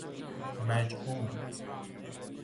مجعول